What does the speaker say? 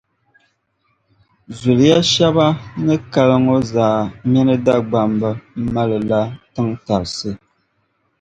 Zuliya shԑba n ni kali ŋᴐ zaa mini Dagbamba malila tintarisi